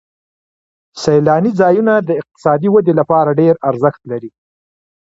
سیلاني ځایونه د اقتصادي ودې لپاره ډېر ارزښت لري.